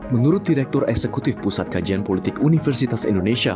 menurut direktur eksekutif pusat kajian politik universitas indonesia